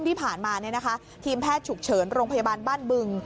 ที่ผ่านมาทีมแพทย์ฉุกเฉินโรงพยาบาลบ้านบึง